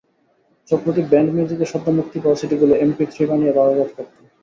চক্রটি ব্যান্ড মিউজিকের সদ্য মুক্তি পাওয়া সিডিগুলো এমপিথ্রি বানিয়ে বাজারজাত করত।